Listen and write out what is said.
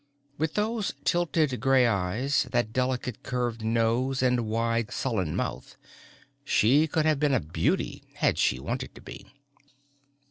With those tilted gray eyes, that delicately curved nose and wide sullen mouth, she could have been a beauty had she wanted to be.